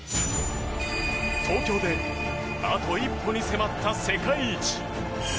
東京であと一歩に迫った世界一。